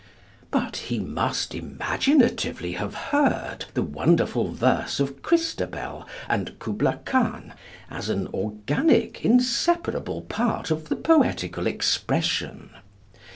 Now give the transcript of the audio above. But he must imaginatively have heard the wonderful verse of Christabel and Kubla Khan, as an organic, inseparable part of the poetical expression.